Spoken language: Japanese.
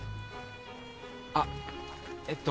あえっと。